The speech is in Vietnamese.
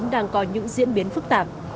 đang có những diễn biến phức tạp